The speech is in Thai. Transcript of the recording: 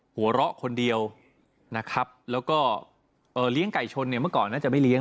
หัวเราะคนเดียวนะครับแล้วก็เอ่อเลี้ยงไก่ชนเนี่ยเมื่อก่อนน่าจะไม่เลี้ย